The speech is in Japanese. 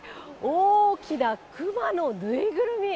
大きなクマの縫いぐるみ。